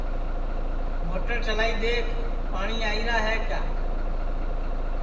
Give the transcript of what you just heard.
موٹر چلائی دؔیکھ پاٹؔی آئیرا ہے کیا